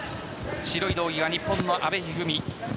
白い道着が日本の阿部一二三。